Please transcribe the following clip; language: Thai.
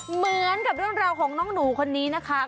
เหมือนกับเรื่องราวของน้องหนูคนนี้นะคะ